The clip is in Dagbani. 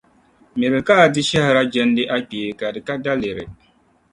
Miri ka a di shahira jɛndi a kpee ka di ka daliri.